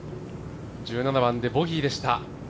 １７番でボギーでした。